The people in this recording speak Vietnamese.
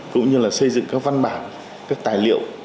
tương nhiên là xây dựng các văn bản các tài liệu